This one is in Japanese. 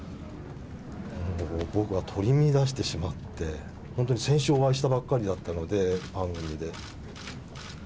僕は取り乱してしまって、本当に先週お会いしたばっかりだったので、番組で。